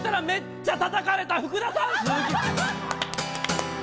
「めっちゃたたかれた福田さん好き」